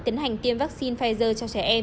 tiến hành tiêm vaccine pfizer cho trẻ em